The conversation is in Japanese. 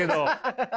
ハハハハ。